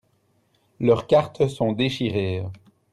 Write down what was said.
leurs cartes sont déchirées.